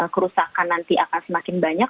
kerusakan nanti akan semakin banyak